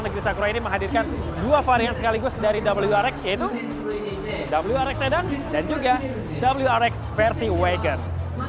negeri sakura ini menghadirkan dua varian sekaligus dari wrx yaitu wr recdan dan juga wrx versi wagon